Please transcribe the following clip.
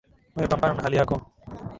Wewe pambana na hali yako